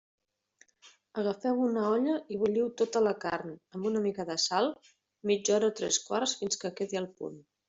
Agafeu una olla i bulliu tota la carn, amb una mica de sal, mitja hora o tres quarts fins que quedi al punt.